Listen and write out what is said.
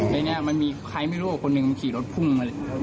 ใครไม่รู้อีกคนหนึ่งมันขี่รถพุ่ง